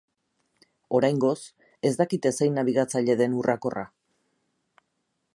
Oraingoz, ez dakite zein nabigatzaile den urrakorra.